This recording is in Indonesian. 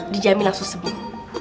dijamin langsung sebuah